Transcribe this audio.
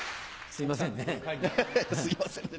すいませんね。